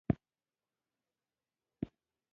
د ښکلو لفظونو ډکي لپې دي زما پر سر وڅنډلي